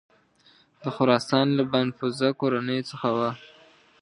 د خراسان له بانفوذه کورنیو څخه وه.